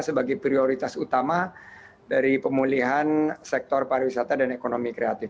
sebagai prioritas utama dari pemulihan sektor pariwisata dan ekonomi kreatif